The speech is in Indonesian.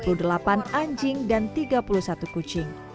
mereka menjelaskan anjing dan tiga puluh satu kucing